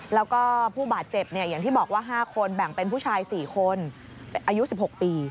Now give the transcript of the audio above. แล้วก็ผู้บาดเจ็บอย่างที่บอกว่า๕คนแบ่งเป็นผู้ชาย๔คนอายุ๑๖ปี